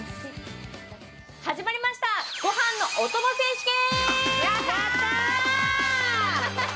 始まりました、ごはんのおとも選手権！